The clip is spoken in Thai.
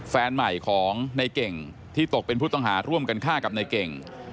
แฟนใหม่ของในเก่งที่ตกเป็นผู้ต้องหาร่วมกันฆ่ากับนายเก่ง